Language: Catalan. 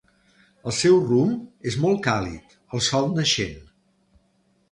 El seu rumb és molt càlid: el sol naixent.